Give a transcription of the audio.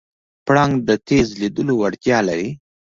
پړانګ د تېز لیدلو وړتیا لري.